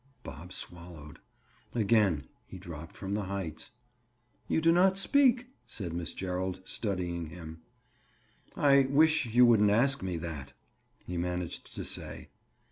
Bob swallowed. Again he dropped from the heights. "You do not speak," said Miss Gerald, studying him. "I—wish you wouldn't ask me that," he managed to say.